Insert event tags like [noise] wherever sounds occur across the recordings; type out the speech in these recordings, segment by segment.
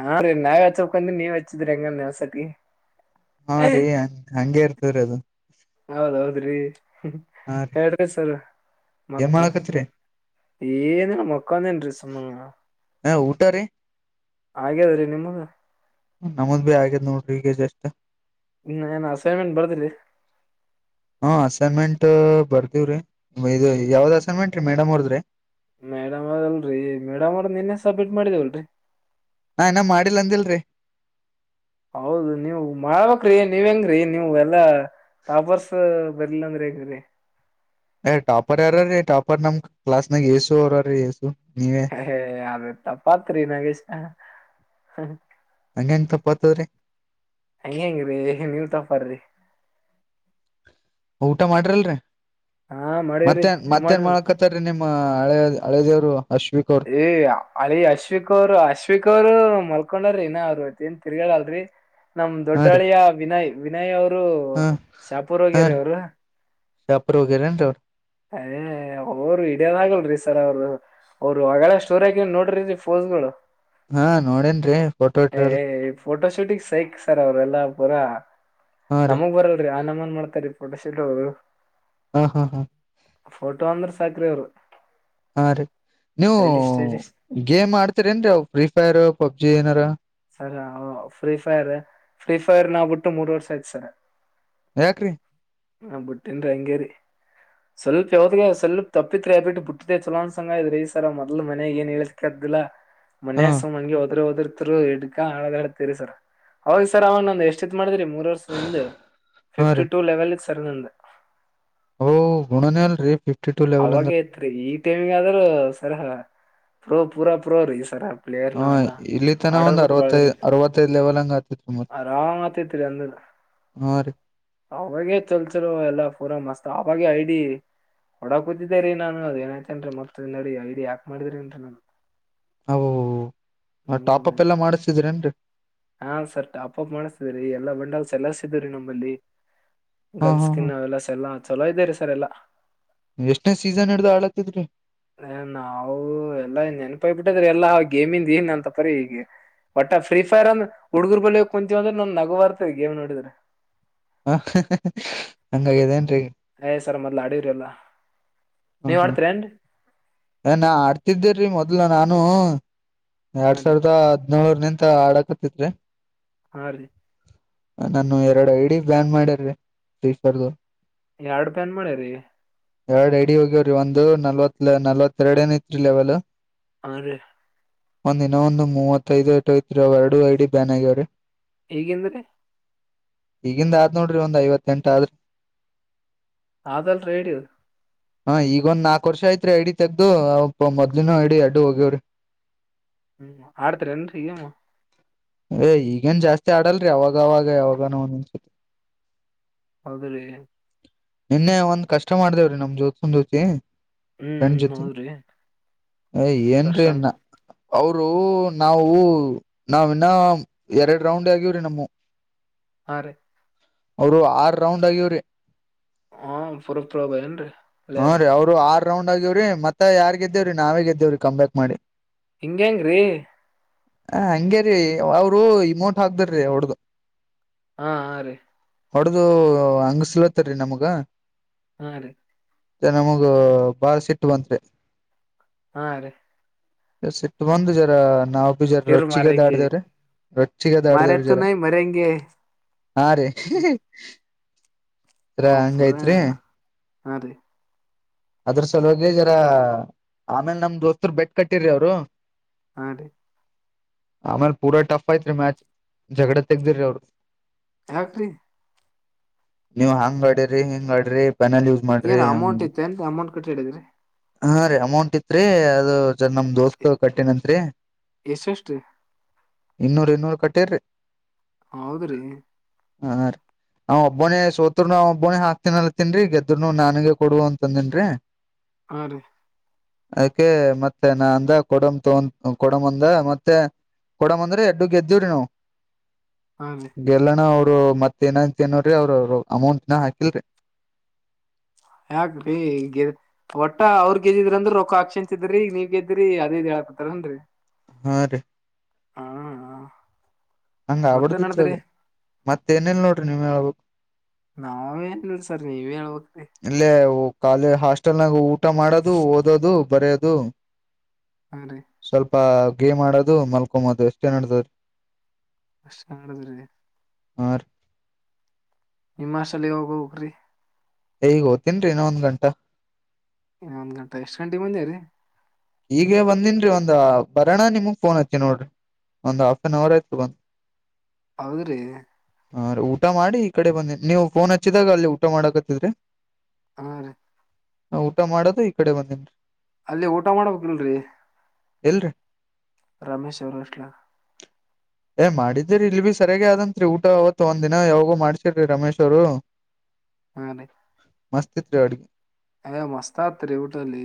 ಹಾ ರೀ ನಾವೇ ಹಚ್ಚಕಂದ್ರಿ ನೀವ್ ಹಚ್ಚಿದ್ರಿ ಹೆಂಗ ನವ್ಸತಿ. ಹಾ ರೀ ಹಂಗಗೆ ಇರ್ತೀವರಿ ಅದು.. ಹೌದೌದ್ರಿ ಹಾ ರೀ ಹೇಳ್ರಿ ಸರ್ ಏನ್ ಮತ್ತ.. ಮಾಡಾಕತ್ರಿ ಏನು ಮಕ್ಕಾಂತನ್ ಸುಮ್ನ ಹಾ ಊಟ ರೀ ಹಾಗ್ಯದ್ರೀ ನಿಮ್ಮಗ ನಮದ್ ಭೀ ಆಗೇದ್ ನೋಡ್ರಿ ಈಗ ಜಷ್ಟ. ಏನ್ ಅಸೈನ್ಮೆಂಟ್ ಬರ್ದ್ರಿ ಹಾ ಅಸೈನ್ಮೆಂಟ್ ಬರ್ತಿವ್ರೀ ಇ ಯಾವ್ದ್ ಅಸೈನ್ಮೆಂಟ್ ರೀ ಮೇಡಮ್ ಅವ್ರದ್ರಿ.. ಮೇಡಮ್ ಅವದಲ್ರರಿ ಮೇಡಮ್ ಅವ್ರ ನಿನ್ನೆ ಸಬ್ಮಿಟ್ ಮಾಡಿದೇವಲ್ರರಿ.. ನಾ ಏನ ಮಾಡಿಲ್ಲ ಅಂದಿಲ್ರಿ.. ಹೌದು ನೀವು ಮಾಡ್ಬಕ್ಕ್ರಿ ನೀವ್ ಹೆಂಗ್ರಿ ನೀವು ಎಲ್ಲಾ ಟಾಪರ್ಸ.. ಅವರೆಲ್ಲ ಅಂದ್ರೆಗ್ರ.. ಏ್ ಟಾಪರ್ ಯಾರ ರೀ ಟಾಪರ್ ನಮ್ ಕ್ಲಾಸ್ ನಾಗ ಏಸು ಅವರ್ರೀ. ಹ ಅ ತ ಪಾತ್ರಿ ನಗೇಶ.. ಹಂಗಂಗ ತಪ್ಪಾತವ್ರೀ ಹ ಹೆಂಗಿ್ರರಿ ನೀವ ತಪರ್ರಿ ಊಟ ಮಾಡ್ರಲ್ರಿ ಹಾ ಮಾಡೇವ್ರಿ ಮತ್ತೇನ್ ನೀವ್ ಮತ್ತೇನ್ ಮಾಡಿರಲ್ರಿ ಮಾಡಕತ್ತಾರರಿ ನಿಮ ಹಳೆ ಹಳೆದೇವರು. ಏ ಅರೆ ಅಶ್ವಿಕ ಅವರ್ ಅಶ್ವಿಕ ಅವರು ಮ. ಮಾಕೊಂಡ್ರೀ ಇಏ ಏನ್ ತಿರ್ಗೇಲ್ರರಿ ನಮ್ ಹಾ ದೊಡ್ಡ ರೀ ಅಳಿಯ ವಿನಯ್ ವಿನಯ್ ಅವರು.. ಹಾ ಅವರು ಶಾಪೂರ್ ಹಾ ವಗ್ಯರ ರೀ ಅವರು ಶಾಪುರ್ ಹೋಗ್ಯಾರೇನ್ರಿ ಅವ್ರು ಅದೇ ಒರು ವಿಡಿಯನ್ ಆಗಲ್ ರೀ ಸರ್ ಅವರು ಅವ್ರು ಹೊಗಳ ಸ್ಟೋರೇಜ ನೋಡ್ರ ಫೋನ್ಸ್ ಗಳು ಹಾ ನೋಡೇನ್ರಿ ಫೋಟೋ ಹ ಇಟ್ರಲ್ ಫೋಟೋ ಶೂಟಿಂಗ್ ಸಹ ಸರ ಅವರೆಲ್ಲಾ ಪೂರಾ ಹಾ ರೀ ನಮಗ್ ಬರಲ್ರರಿ ಆ ನಮನ್ ಮಾಡ್ತೀ ಪಟ ಶ ಅವರು ಹಾ ಹಾ ಹಾ ಸಾಕ್ರೆ ಅವರು [inaudible] ಹಾ ರೀ ನೀವು ಗೇಮ್ ಆಡ್ತೀರಿ ನ್ವ್ ಅವ ಫ್ರೀ ಫೈರ್ ಪಬ್ಜಿ ಏನಾರ ಸ ಫ್ರೀ ಫೈರ್ ಫ್ರೀ ಫೈರ್ ನಾವ್ ಬಿಟ್ಟು ಮೂರ್ ವರ್ಷ ಐ್ತ್ ಸರ ಯಾಕ್ರಿ ಹ ಬುಟ್ಟನ್ ಹಂಗೇರಿ ಸ್ವಲ್ಪ ಯಾವದಿಗೆ ಸ್ವಲ್ಪ್ ತಪ್ಪಿತ್ ಅಬಿಟ್ಟು ಬಿುಟ್ಟ್ದೆ ಚಲೋಂದಸಂಗ ಇದ್ರ ರ ಈ ಸರ್ ಮೊದ್ಲು ಮನೆಗ್ ಏನ್ ಹೇಳ ಹಾ ಮನ್ಯ ಸಮನ್ಗೆ ಹೋದ್ರೆ ಹೋದ್ರ ಹಿಡ್ಾ ಹೇಳದತೀರಿ ಸರ್ ಹೋಗ್ ಸರ್ ಅವನ್ ಒಂದ ಎಷ್ಟಿತ್ ಮಾಡಿದ್ರರಿ ಮೂರು ವರ್ಷ ಇಂದ ಹಾ ಫಿವೆತ್ಯಾಟೂ ಟೂ ಲೆವೆಲ್ ಸರದಂದ ಹಓ ಗುಣನ ಅಲ್ರರಿ ಫಿಫ್ಟಿ ಟು ಲೆವೆಲ್ ಅವಾಗ ಅಂದ್ರ ತ್ರಿಈ ಟೈಮಿಂಗ್ ಆದ್ರೂ ಸರ ಪ್ರೋ ಪೂರಾ ಪ್ರೋ ರೀ ಈ ಸರ ಪ್ಲೇಯರ್ ಹಾ ನಾವೆಲ್ಲಾ ಇಲ್ಲಿ ತನ ಆಡೋದ್ ಒಂದ್ ಬಿಟ್ಟು ಬಾಳ ಅರವತ್ತೈ ದಿನ ಐತ್ರಿ ಅರವತ್ತೈದ್ ಲೆವೆಲ್ ಹಂಗ ಆತಿತ್ತು ಮತ್ ಆರಾಮ್ ಅವ ಅವಾಗೆ ಚಲ್ಸರು ಎಲ್ಲಾ ಪೂರಾ ಮಸ್ತ್ ಅವಾಗ ಐಡಿ ಒಡ ಕೂತಿದ್ದೇ ರೀ ನಾನು ಅದ ಏನಾಯ್ತೇನ್ರೀ ಮತ್ತತ್ದ ನಡಿ ಐಡಿ ಯಾಕ್ ಮಾಡಿದ್ರಿ ಅಂತ ನಾನು ಅ ಹ್ಮ್ ಟಾಪಪ್ ಎಲ್ಲ ಮಾಡಿಸ್ತಿದ್ರೇನ್ರಿ ಹಾ ಸರ್ ಟಾಪಪ್ ಮಾಡಿಸ್ತಿದ್ರಿ ಎಲ್ಲಾ ಬಂಡಾಗ ಸಲ್ಲರ್ಸಿದ್ರಿ ನಮ್ಮಲ್ಲಿ ಹಾ ಗಲ್ ಹಾ ಹಾ ಸ್ಕಿನ್ ಅವೆಲ್ಲ ಸೆಲ್ಲಾ ಚಲೋ ಇದ್ದೇರಿ ಸರ್ ಎಲ್ಲಾ ಎಷ್ಟನೇ ಸೀಸನ್ ಹಿಡ್ದು ಆಾಳಾತ್ತತ್ದ್ರಿ ನಾವು ಎಲ್ಲಾ ನೆನ್ಪಾಯ ಬಿಿಟ್ಟಿದ್ರೀ ಎಲ್ಲಾ ಗೇಮಿಂದ ಏನ್ ಅಂತಪ್ಪರಿೀ ಈೀಗೆ ಒಟ್ಟಾ ಫ್ರೀ ಫೈರ್ ಅಂದ ಹುಡ್ಗರ್ ಬಳ ಕುಂತೀವ ಅಂದ್ರೆ ನ್ ನಗು ಬರ್ತವ ಗೇಮ್ೋಿದ್ರೆ ಹ ಹಂಗದೇನ್ರಿೀ ಏ ಸರ್ ಮೊದ್ಲ ಆಡರಿಲ್ಲ ನೀವ ಆಡ್ತರನ್ರೀ ಏ ನಾ ಆಡ್ತಿದ್ದೇರೀ ಮೊದ್ಲ ನಾನು ಹಾ ಎರಡ್ ರೀ ಸಾವಿರದ ನೂರ್ ನಿಂತ ಆಡಕತ್ತಿದ್ರರಿ ಹಾ ರೀ ನನ್ನು ಎರಡು ಐಡಿ ಬ್ಯಾನ್ ಮಾಡ್ಯಿ ಸೀಫರ್ದು ಯಾರ್ಡ್ ಪೆನ್ ಮಾಡೆ ರೀ ಎರಡ್ ಐಡಿ ಹೋಗ್ಯವ್ರಿ ಒಂದು ನಲ್ವತ್ ನಲ್ವತ್ತ ಎರಡ ಏನ್ ಐತ್ರಿ ಲೆವೆಲ್ ಹಾ ರೀ ಒಂದ್ ಇನ್ನೊಂದು ಮೂವತ್ತೈದು ಏಟೋಯ್ತ್ರಿ ಎರಡು ಐ ಡಿ ಬ್ಯಾನ್ ಆಗ್ಯವ್ರೀ ಹೇಗೆಂದ್ರೆ ಈಗಿಂದ ಆದ್ ನೋಡ್ರಿ ಒಂದ್ ಐವತ್ತೆಂಟ ಆದ್ರಿ ಅದಲ್ ರೇಡಿಯೋ ಹ ಈಗ ಒಂದ್ ನಾಲ್ಕು ವರ್ಷ ಆಯ್ತ್ರೀ ಐಡಿ ತೆಗ್ದು ಅ ಮೊದ್ಲಿನ ಐಡಿ ಅಡ್ಡು ಹೋಗ್ಯವ್ರಿ ಹ್ಮ್ ಆಡ್ತಿರೇನ್ರಿ ಗೇಮ್ ಏ ಈಗೇನ್ ಜಾಸ್ತಿ ಆಡಲ್ರಿ ಅವಾಗ ಅವವಾಗ ಯಾವಾಗನೋ ಒಂದನ್ಸತಿ ಹೌದು ಲಿ ನೆನ್ನೆ ಒಂದ್ ಕಷ್ಟ ಮಾಡ್ದೇವ್ರಿ ನಮ್ ಜ್ಯೋತ್ ಬಂದೋತಿ ಹ್ಮ್ ನಂಜೋತಿ ಹೌದ್ರಿ ಏನ್ ರೀ ಕಷ್ಟ ನಾ ಅವರು ನಾವು ನಾವಿನ್ನ ಎರಡ್ ರೌಂಡ್ ಆಗವ್ರಿ ನಮ್ಮ ಆರೆ ಅವರು ಆರ್ ರೌಂಡ್ ಆಗ್ಯಿವ್ರಿ ಆ ಸುರ್ತೊಳಗೋಗೆರೆನ್ರಿ ಹ್ಮ ವಿಳಯಾರೆ ರೀ ಅವ್ರು ಆರ್ ರೌಂಡ್ ಆಗ್ಯವ್ರಿ ಮತ್ತೆ ಯಾರ್ ಗೆದ್ದೇವ್ರೀ ನಾವೇ ದ್ದೇವ್ರೀ ಕಂಬ್ಯಾಕ್ ಮಾಡಿ ಹಿಂಗ ಹೆಂಗ್ರ ಹ ಹಂಗೇರಿೀ ಅವರು ಇಮೋಟ್ ಹಾಕ್ದಾರಿ ಅವಡ್ದು ಹಾ ಹಾ ರೀ ಹೊಡ್ದ ಹಂಗಸ್ಲತ್ತರಿ ನಮ್ಗ ಹಾ ರೀ ತೆ ನಮಗೂ ಬಾಳ ಸಿಟ್ಟು ಬಂತ್ರಿ ಹಾ ರೀ ಸಿಟ್ಟು ಬಂದು ಜರ ನಾವು ಜರ ಇವ್ರ ರೊಚ್ಚಿಗೆದ್ದ ಮಾರಂಗೆ ದಾಡ್ದೇವ್ರ ರೊಚ್ಚಿಗೆ ದಾಡ್ದೇವ್ರ ಮಾರತ್ತು ಜರ ನೈ ಮರಂಗೆ ಹಾ ರೀ ಹ್ಮ ದ್ರ ಹ ಪೂರ ಹಂಗೈತ್ರಿ ಹಾ ರೀ ಅಂದ್ರು ಸಲುವಾಗಿ ಜೋರ ಆಮೇಲ್ ನಮ್ ದೊತುರ್ ಬೆಟ್ ಕಟ್ಟಿ್ರಿ ಅವರು ಹ ಡಿ ಆಮೇಲೆ ಪೂರಾ ಟಫ್ ಐ್ತ್ ರೀ ಮ್ಯಾಚ್ ಜಗಡ ತೆಗ್ದಿರಿೀ ಅವರು ಯಾಕ್ರೀ ನೀವು ಹಾಂಗ ಆಡ್ರಿ ಹಿಂಗ ಆಡ್ರಿ ಪ್ಯಾನಲ್ ಯೂಸ್ ಮಾಡ್ರಿ ಹಂಗ ಕಟ್ಟ ಹೇಳಿದ್ರಿ ಹಾ ರೀ ಅಮೌಂಟ್ ಇತ್ರಿ ಅದು ಚರ್ ನಮ್ ದೋಸ್ತ್ ಕಟ್ಟೆನಂತ್ರಿ ಎಷ್ಟೆಷ್ಟ್ರೀ ಇನ್ನೂರು ಇನ್ನೂರು ಕಟ್ಟೇರರಿ ಹೌದ್ರೀ ಹಾ ರೀ ಅವ್ ಒಬ್ಬನೇ ಸೋತ್ರರುನು ಅವ ಒಬ್ಬನೇ ಹಾಕ್ತನಲ್ಲ ತಿನ್ರಿ ಗೆದ್ದ್ರನು ನನ್ಗೆ ಕೊಡುವಂತ ಬಂದನ್ರ ಹ ಅದಕೆ ಮತ್ತೆ ನಾ ಅಂದ ಕೊಡಮ್ ತಗ ಕೊಡಮ್ ಅಂದ ಮತ್ತೆ ಕೊಡ ಬಂದ್ರೆ ಎಡ್ಡು ಗೆದ್ದವ್ರಿ ನಾವವು ಹಾ ರೀ ಗೆಲ್ಲಣ ಅವ ಅವರು ಮತ್ತ ಏನಂತ ನೋಡ್ರಿ ಅವರು ಅಮೌಂಟ್ ನ ಹಾಕಿಲ್ರಿ ಯಾಕ್ಗೆದ ಒಟ್ಟ ಅವ್ರ ಗೆದ್ದಿದ್ರ ಅಂದ್ರರು ರೊಖ ಹಾಕ್ಷನ್ಚಿದ್ರಿ ನೀವ್ ಗೆದ್ರಿ ಅದೇದ ಹೇಳ ತರೊಂಡರಿ ಹಾ ರೀ ಹಾ ಹಂಗ ಆ ಮತ್ತ ಬಿಡ್ದಿತ್ರಿ ನಡದ್ರಿ ಅದು ಮತ್ತ ಏನೇಲ್ ನೋಡ್ರಿ ನೀವ್ ಹೇಳ್ಬೇಕು ನಾವೇ ಸರ್ ನೀವ ಹೇಳ ಇಲ್ಲೇ ಕಾಲ ಹಾಸ್ಟೆಲ್ ನಾಗ ಊಟ ಮಾಡೋದು ಓದೋದು ಬರೆಯೋದು ಹಂಗ್ರೆ ಅಪಾ ಗೇಮ್ ಆಡೋದು ಮಲ್ಕೊೋದು ಎಷ್ಟೇನ್ ನಡತದ್ರೀ ಅಷ್ಟ ಮಾಡಿದ್ರಿ ಆ ನಿಮ್ಮಸಲ್ಲಿ ಯೋಗ ಹೋಗ್ರಿ ಈಗ ಓ್ತನ್ರರಿ ಇನ್ನ ಒಂದ್ ಗಂಟಾ ಒಂದ್ ಗಂಟೆ ಎಷ್ಟ್ ಗಂಟೆ ಮುಂದೆ ರೀ ಈಗ ಬಂದಿನ್ರೀ ಒಂದ ಬರೋಣ ನಿಮ ಫೋನ್ ಹತ್ತ ನೋಡ್ರಿ ಒಂದು್ ಹಾಫ್ ಅನ್ ಅವರ್ ಆಯ್ತು ಬಂದು ಹೌದ್ರಿ ಹಾ ರೀ ಊಟ ಮಾಡಿ ಈ ಕಡೆ ಬಂದೇ ನೀವು ಫೋನ್ ಹಚ್ಚಿದಾಗ ಅಲ್ಲಿ ಊಟ ಮಾಡಾಕತ್ತಿದ್ರಿ ಹ ರ ನಾ ಊಟ ಮಾಡದು ಈ ಕಡೆ ಬಂದೇನ್ರಿ ಅಲ್ಲಿ ಊಟ ಮಾಡಬೇಕಿಲ್ರರಿ ಇಲ್ರಿ ರಮೇಶ ಸೌರಾಷ್ಟ ಲ ಏ ಮಾಡಿದ್ದಿರಿ ಇಲ್ ಬಿ ಸರಿಯಾಗ ಆದಂತ್ರಿ ಊಟ ಅವತ್ತ್ತು ಒಂದ್ ದಿನ ಯಾವಾಗೂ ಮಾಡ್ಸಿರ್ರಿ ರಮೇಶ್ ಅವರು [inaudible] ಹಾ ರೀ ಮಸ್ತ್ ತ್ ರೀ ಅಡ್ಗೆ ಅಯಾ ಮಸ್ತಾತ್ರಿ ಊಟಲ್ಲಿ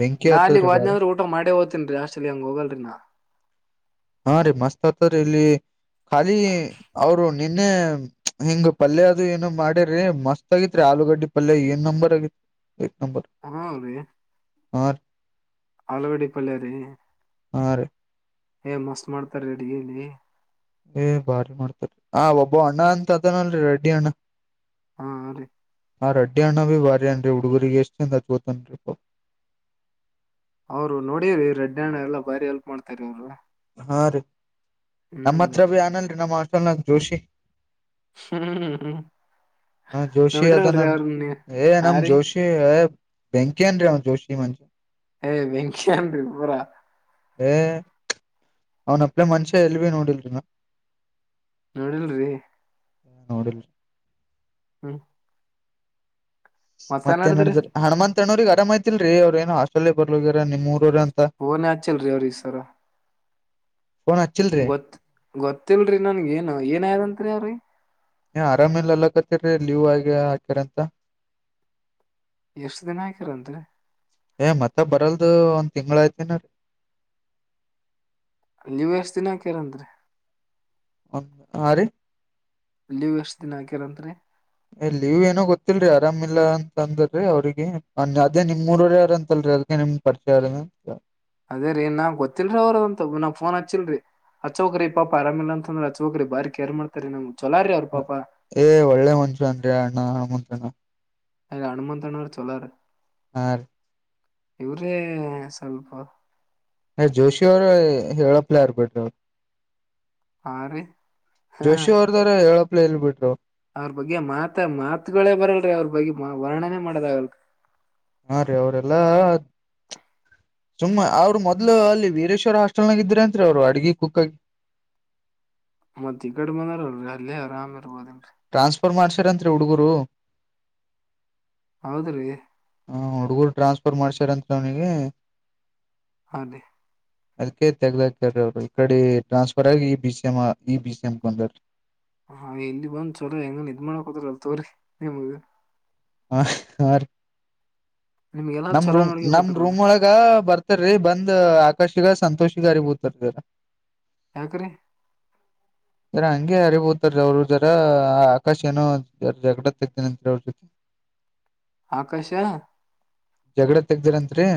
ಬೆಂಕಿ ನಾಲಗ್ ಹತ್ತದ್ರಿ ವ್ನ ಬಾರಿ ಆದ್ರ ಊಟ ಮಾಡೇ ಹೋಗ್ತನ್ ಅಷ್ಟಲ್ಲಿ ಹಂಗ ಹೋಗಲ್ರರಿ ನಾ ಹಾ ರೀ ಮಸ್ತ್ ಆತರಿ ಇಲ್ಲಿ ಖಾಲಿ ಅವರು ನಿನ್ನೆ ಹಿಂಗ್ ಪಲ್ಯ ಅದು ಏನ ಮಾಡಿ್ರರಿ ಮಸ್ತ್ ಆಗಿತ್ರಿ ಆಲೂಗಡ್ಡಿ ಪಲ್ಯ ಏನ್ ನಂಬರ್ ಆಗಿತ್ ಹ್ಮ ಹ ರೀ ಆ ಆಳವಡಿ ಪಳ್ಳ ರೀ ಆ ಮಸ್ ಮಾಡ್ತ ರೆಡಿಿಗೆ ನೀ ಏ ಭಾರಿ ಮಾಡ್ತಾರರಿ ಆ ಒಬ್ಬ ಅಣ್ಣ ಅಂತ ಅದನಲ್ರಿ ರೆಡ್ಡಿ ಅಣ್ಣ ಹಾ ಅ ರೀ ಆ ರಡ್ಡಿ ಅಣ್ಣ ಭೀ ಬಾರಿ ಅಏನ್ರಿ ಹುಡುಗರಿಗೆ ಎಷ್ಟ ಚಿಂದ ಅತ್ಗೋತನ್ರಿ ಪ ಅವರು ನೋಡ್ರರಿ ರೆಡ್ಣ ಎಲ್ಲಾ ಬಾರಿ ಎಲ್ಪ್ ಮಾಡ್ತರಿ ಅವ್ರು ಹಾ ರೀ ನಮ್ಮ ಹ್ಮ್ ರೀ ಹತ್ರ ಭ ಆನಲ್ರಿ ನಮ್ಮ ಅಸಲ್ನ ೋಷಿ ಹ್ಮ ಹ್ಮ ಹಾ ಜೋಶಿ ಆದನ್ ಏ ಹಾ ನಮ್ ರೀ ಜೋಶಿ ಬೆಂಕಿನ್ ಜೋಶಿ ಮನಿ ಏ ಬೆೆಂಕಿನ್ ರೀ ಪೂರಾ ಏ ಅವನ ಅಪ್ಲೆ ಮನುಷ್ಯ ಎಲ್ ವಿ ನೋಡಿಲ್ರಿ ನ ನೋಡಿಲ್ರಿ ನೋಡಿಲ್ಲ ಹ್ಮ ಮತ್ತೇ ನ್ ನಡ್ರೀ ಹಣಮಂತಣ್ಣರಗೆ ಆರಾಮ್ ಆಯ್ತಿಲ್ರಿ ಅವ್ರ ಏನೋ ಹಾಸ್ಟೆಲ್ ಬರ್ಲೋಗರಾರ ನಿಮ್ಮ್ ಊರು ಪೋನೆ ಹಚ್ಚಿಲ್ಲ ರೀ ಅವರಿಗ್ ಸರಾ ಫೋನ್ ಹಚ್ಚಿಲ್ರಿ ಗೊತ್ ಗೊತ್ತಲ್ರಿ ನನ್ಗ ಏನು ಏನ್ ಆಗತ್ ಅವ್ರಿಗೆ ಏ ಆರಾಮ್ ಇಲ್ಲ ಅನ್ನಕತ್ತರೀ ಲೀವ್ ಆಗಿ ಹಾಕ್ಯಾರಂತೆ ಎಷ್ಟ ದಿನ ಆಕ್ಯಾರಂತೆ ಏ ಮತ್ತೆ ಬರಲ್ದು ಒಂದ್ ತಿಂಗಳಯ್ತನೆ ಅವರಿ ಲೀವ್ ಎಷ್ಟ್ ದಿನ ಹಾಕ್ಯಾರಂತೆ ರೀ ಒ ಆ ರೀ ಲೀವ್ ಎಷ್ಟ್ ದಿನ ಹಾಕ್ಯರಂತ್ರೀ ಏ ಲೀವ್ ಏನೋ ಗೊತ್ತಿಲ್ರರಿ ಆರಾಮಿಲ್ಲಾ ಅಂತ ಅಂದ್ರಿ ಅವ್ರಿಗೆ ಅದೇ ನಿಮ್ ಊರೊರ ಯಾರ್ ಅಂತಲ್ ರಲಿಗೆ ನಿಮ್ಮಗೆ ಪರಿಚಯ ಇದ್ದಾರೆನೋ ಕೇಳ್ದೆ ಅದೇ ರೀ ನಾ ಗೊತ್ತಿಲ್ರರಿ ಅವ್ರದಂತ ನಾ ಪೋನ್ ಹಚ್ಚಿಲ್ರಿ ಹಚ್ಚೋಗ್ರಿ ಪಾಪ ಆರಾಮಿಲ್ಲ ಅಂದ್ರೆ ಹಚ್ಚೋಗ್ರಿ ಬಾರಿ ಕೇರ್ ಮಾಡುತ್ತಾರೆ ನಮ್ ಚೊಲಾರಿ ಅವ್ರ ಪಾಪ ಏ ಒಳ್ಳೆ ಮನುಷ್ಯನ್ರಿ ಅಣ್ಣ [unintelligible] ಅದೆ ಹನುಮಂತನರ್ ಚಲಾರ ಆ ರೀ ಇವ್ರೇ ಸ್ವಲ್ಪ ಹೆ ಜೋಶಿ ಅವರು ಹೇಳಪ್ಲ ಇರಬೇಕ್ ಅವರು ಹಾ ರೀ ಜೋಶಿ ಅವ್ರದಾರೆ ಹೇರೋ ಪ್ಲೇ ಏಲ್ ಬಿಟ್ರು ಅವ್ರ ಬಗ್ಗೆ ಮಾತ್ ಮಾತುಗಳೇ ಬರಲ್ರಿ ಅವ್ರ ಬಗ್ಗೆ ವರ್ಣನೆ ಮಾಡೋದಾಗಲ್ ಹಾ ರೀ ಅವ್ರಲ್ಲೆ ಸುಮ್ಮ ಅವರು ಮೊದ್ಲು ಅಲ್ಲಿ ವೀರೇಶ್ವರ್ ಹಾಸ್ಟೆಲ್ ನಗ ಇದ್ರಂತ್ ಅವ್ರು ಅಡಿಗೆ ಕುಕ್ಕಾಗಿ ಹ ಮತ್ತ ಈ ಕಡ್ ಬಂದಾರಲ್ರಿ ಅಲ್ಲೆ ಆರಾಮ್ ಇರ್ಬೋದ್ ರ್ ಮಾಡ್ಸರಂತ್ ರೀ ಹುಡುಗರು ಹೌದ್ರಿ ಹ ಹುಡುಗರು ಟ್ರಾನ್ಸ್ ಫರ್ ಮಾಡ್ಸಾರಂತೆ ಅವನಿಗೆ ಅದೇ ಅದಕ್ಕೆ ತೆಗ್ದಾಕಾರ್ ರೀ ಅವರು ಈ ಕಡೆ ಟ್ರಾನ್ಸಫರ್ ಆಗಿ ಈ ಬಿ ಸಿ ಎಂ ಈ ಬಿ ಸಿ ಎಂ ಗೆ ಬಂದವರ್ ರೀ ಆ ಇಲ್ಲಿ ಬಂದ್ ಚೊಲ್ ಹೆಂಗನ್ ನಿದ್ದ ಮಾಡಕ ಹದ್ರ ಅಲ್ ತೋವ್ರಿ ನಿಮಗ ಹ ಹ ರೀ ನಿಮ್ಗೆಲ್ಲಾ ನಮ್ ಚೊಲೋ ರೂಮ್ ನಮ್ ರೂಮ್ ನೋಡ್ಕೊತಾರಲ್ರಿ ಒಳಗ ಬರ್ತಾರೀ ಬಂದ್ ಆಕಾಶ್ ಸಂತೋಷಿಕಾರಿ ಬೂತಾರೆರ ಯಾಕ್ರೀ ಹ [unintelligible] ಹಂಗೆ ಅರಿಬೋತಾರೆ ಅವ್ರ ಜರ ಆಕಾಶ ಏನೋ ಜ ಜಡಗ ತೆಗತನಂರೀ ಅವ್ರ ಜೊತೆ ಆಕಾಶ ಜಗಡ ತೆಗ್ದಿರಂತೆ ರೀ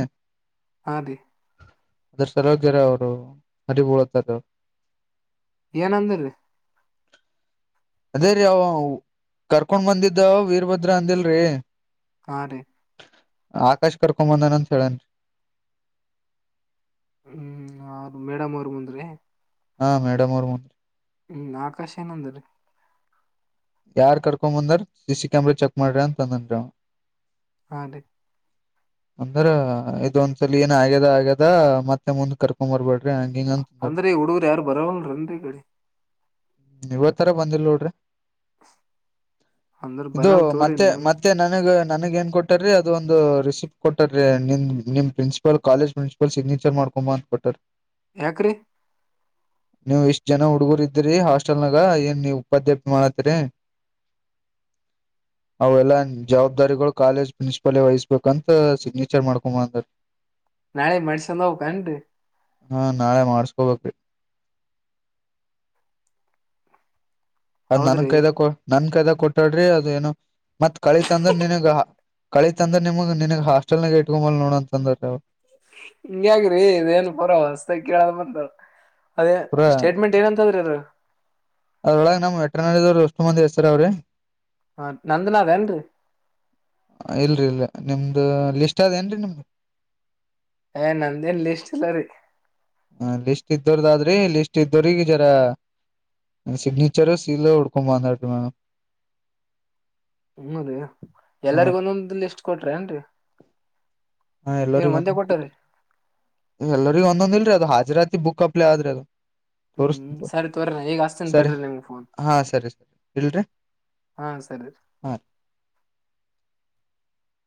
ಹಾ ರೀ ಅದ್ರ ಸಲೋಗ್ಯರ ಅವರು ಹರಿಬಳತಾರ್ ಏನಂದರಿ ಅದೇ ರೀ ಅವ ಕರ್ಕೊಂಡ್ ಬಂದಿದ್ದಾ ವೀರಭದ್ರ ಅಂದಿಲ್ರಿ ಹಾ ರೀ ಆಕಾಶ ಕರ್ಕೊಂಬಂದನಂದ ಹೇಳಳನ್ ಹ್ಮ್ ಅವ್ರ ಮೇಡಮ್ ಅವ್ರ ಮುಂದ್ರೆ ಹಾ ಮೇಡಮ್ ಅವ್ರರು ಬಂದರಿ ಹ್ಮ್ ಆಕಾಶ ಏನಂದ್ರೀ ಯಾರ್ ಕರ್ಕೊ ಬಂದಾರ ಸ ಸಿ ಕ್ಯಾಮರಾ ಚೆಕ್ ಮಾಡ್ರಿ ಅಂತ ತಂದನ್ಅವ ಹ ರ ಅಂದ್ರ ಇದೊಂದ್ಸಲ ಏನ್ ಆಗ್ಯದ ಆಗ್ಯದ ಮತ್ತೆ ಮುಂದ ಕರ್ಕೊ್ ಬರ್ಬೇಡ ಅಂದ್ರೆ ಹುಡುಗರು ಯಾರು ಬರವಲ್ರಂದಿ ಗಡಿ ಇವತ್ತರ ಬಂದಿಲ್ ನೋಡ್ರಿ ಅಂದ್ರ ಇದು ಬರಲ್ ತೋರಿ ಮತ್ತೆ ನಿಮ್ಮಂದ್ ಮತ್ತೆ ನನಗ ನನಗ್ ಏನ್ ಕೊಟ್ಟಾರೀ ಅದು ಒಂದು ರಿಸಿಪ್ಟ್ ಕೊಟ್ಟಾರೀ ನಿ ನಿ ಪ್ರಿನ್ಸಿಪಲ್ ಕಾಲೇಜ್ ಪ್ರಿನ್ಸಿಪಲ್ ಸಿಗ್ನೇಚರ್ ಮಾಡ ಕುಮಾರ್ತ್ ಪಟಲ್ ಯಕರಿ ನೀವೂಎಷ್ಟ್ ಜನ ಹುಡುಗರ್ ಇದ್ರರಿ ಹಾಸ್ಟೆಲ್ ನಾಗ ಏನ್ ನೀವು ಉಪಾಯಾಪಿ ಮಾಡ ರೆ ಅವೆಲ್ಲಾ ಜವಾಬ್ದಾರಿಗಳು ಕಾಲೇಜ್ ಪ್ರಿನ್ಸಿಪಲ್ ವಹಿಸಸ್ಬೇಕಂತ ಸಿಗ್ನೇಚರ್ ಮಾಡ್ಕೊಂಬ ಅಂದ ನಾಳೆ ಮಡ್ಸಂದ ಕಂಡು ಹಾ ನಾಳೆ ಮಾಡ್ಸ್ಕೋಬೇಕ್ರೀ ಅದ್ ನನ್ ಹೌದ್ರಿ ಕೈದಾಗ ಕೊ ನನ್ ಕೈದಾಗ ಕೊಟ್ಟಾಡ್ರಿ ಅದ ಏನು ಮತ್ ಕಳಿತ ಅಂದ್ರೆ ನಿನಗ ಕಳಿತತ್ ಅಂದ್ರ ನಿಮಗ್ ನಿನಗ್ ಹಾಸ್ಟೆಲ್ ನಾಗ ಇಟ್ಕೊಂಬಲ್ ನೋಡ ಅಂತ ಅಂದ್ರವು ಹಿಂಗ್ಯಗ್ರಿ ಇದೇನ್ ಪರ ಹೊಸ ಕೇಳದ್ ಬಂತಾರ ಅದೇ ಸ್ಟೇಟ್ಮೆಂಟ್ ಏನಂತದ್ರೀ ಅ ಅದ್ರೊಳಗೆ ನಮ್ ವೆಟ್ರನಡದವ್ರರು ಅಷ್ಟು ಮಂದಿ ಹೆಸರ ಅವ್ರಿ ಹ ನಂದನಾ ವೇಂದು ಇಲ್ರಿ ಇಲ್ ನಿಮ್ದ ಲಿಸ್ಟ್ ಅದ ಏನ್ರರಿ ನಿಮ್ದು ಏ ನಂದನ್ ಲ ಇಷ್ಟಲ್ಲ ರೀ ಹ ಲಿಸ್ಟ್ ಇದ್ದವರದ ಆದ್ರಿ ಲಿಸ್ಟ್ ಇದ್ದೋರಗ ಜರ ಸಿಗ್ನೀಚರ್ ಸೀಲ ಉಡುಕೊಂದಟ ಮೇಡ ಹದೀ ಎಲ್ಲರಿಗ ಒಂದೊಂದು ಲಿಸ್ಟ್ ಕೊಟ್ರಿ ಏನ್ರಿ ಹಾ ಎಲ್ಲರಿಗ ಒಂದ ಕೊ ಎಲ್ಲರಿಗ ಒಂದೊಂದ ಇಲ್ರಿ ಅದ ಹಾಜರತಿ ಬುಕ್ಪ್ ಆದಾದರೆದು ಹ್ಮ್ ತೋತ ಸರಿ ತೋರಿ ನಾ ಈಗ ಹಚ್ತೀನ್ ಸರಿ ತಡ್ರಿ ನಿಮ್ಗ್ ಫೋನ್ ಹಾ ಸರಿ ಸರಿ ಇಲ್ರಿ ಹಾ ಸರಿ [inaudible]